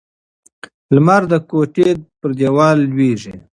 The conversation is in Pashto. لمر د کوټې پر دیوال لوېږي.